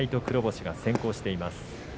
黒星が先行しています。